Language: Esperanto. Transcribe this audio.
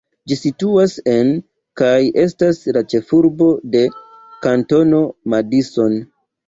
Ĝi situas en, kaj estas la ĉefurbo de, Kantono Madison.